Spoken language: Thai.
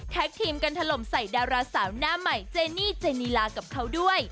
ทีมกันถล่มใส่ดาราสาวหน้าใหม่เจนี่เจนีลากับเขาด้วย